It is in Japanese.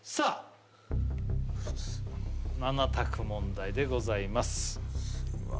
問題でございます